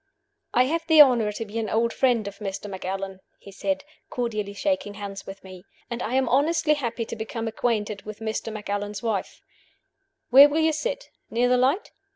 "I have the honor to be an old friend of Mr. Macallan," he said, cordially shaking hands with me; "and I am honestly happy to become acquainted with Mr. Macallan's wife. Where will you sit? Near the light?